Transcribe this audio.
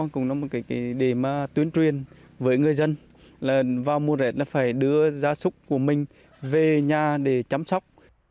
cũng là một điểm tuyến truyền với người dân vào mùa rét phải đưa giá súc của mình về nhà để chăm sóc